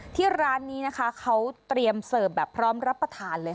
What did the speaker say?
ที่ร้านนี้นะคะเขาเตรียมเสิร์ฟแบบพร้อมรับประทานเลย